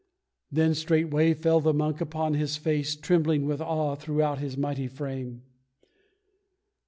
Then straightway fell the monk upon his face Trembling with awe throughout his mighty frame.